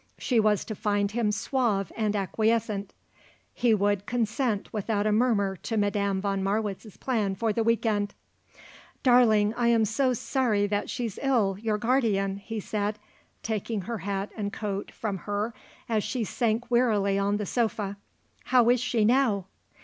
She was to find him suave and acquiescent; he would consent without a murmur to Madame von Marwitz's plan for the week end. "Darling, I'm so sorry that she's ill, your guardian," he said, taking her hat and coat from her as she sank wearily on the sofa. "How is she now?"